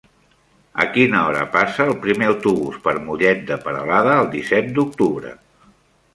A quina hora passa el primer autobús per Mollet de Peralada el disset d'octubre?